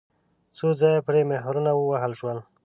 څو ځایه پرې مهرونه ووهل شول.